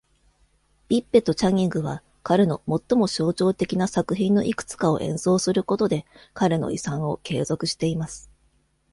ビッベとチャニングは、彼の最も象徴的な作品のいくつかを演奏することで、彼の遺産を継続しています。